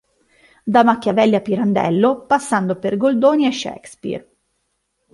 Da Machiavelli a Pirandello, passando per Goldoni e Shakespeare.